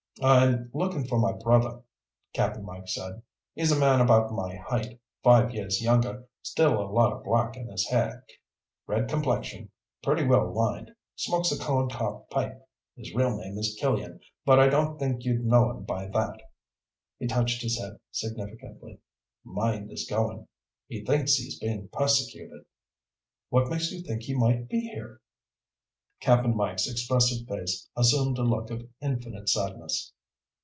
"I'm looking for my brother," Cap'n Mike said. "He's a man about my height, five years younger, still a lot of black in his hair. Red complexion, pretty well lined. Smokes a corncob pipe. His real name is Killian, but I don't think you'd know him by that." He touched his head significantly. "Mind is going. He thinks he's being persecuted." "What makes you think he might be here?" Cap'n Mike's expressive face assumed a look of infinite sadness.